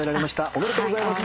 おめでとうございます。